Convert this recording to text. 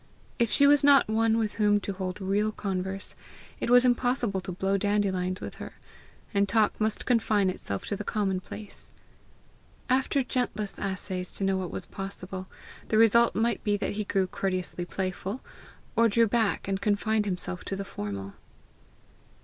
If she was not one with whom to hold real converse, it was impossible to blow dandelions with her, and talk must confine itself to the commonplace. After gentlest assays to know what was possible, the result might be that he grew courteously playful, or drew back, and confined himself to the formal.